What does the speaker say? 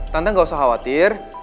tante gak usah khawatir